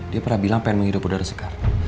dia pernah bilang pengen menghidup udara segar